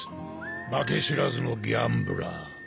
負け知らずのギャンブラー。